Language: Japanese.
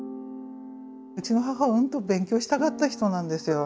うちの母はうんと勉強したかった人なんですよ。